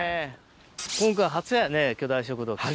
今回初やね巨大食堂岸君。